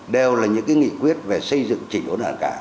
đều là những cái nghị quyết về xây dựng chỉnh ổn hạn cả